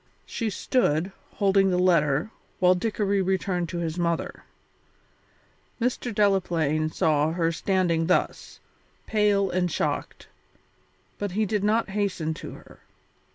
She stood, holding the letter, while Dickory returned to his mother. Mr. Delaplaine saw her standing thus, pale and shocked, but he did not hasten to her.